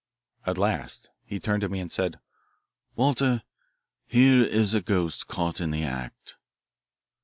At last he turned to me and said, "Walter, here is a ghost caught in the act."